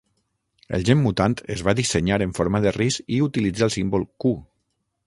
El gen mutant es va dissenyar en forma de ris i utilitza el símbol Cu.